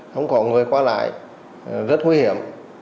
không có người qua lại rất nguy hiểm